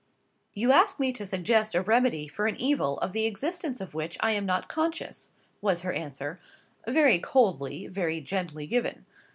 "You ask me to suggest a remedy for an evil of the existence of which I am not conscious," was her answer—very coldly, very gently given.